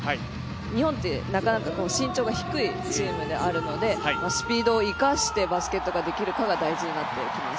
日本って身長が低いチームであるのでスピードを生かしてバスケットができるかが大事になってきます。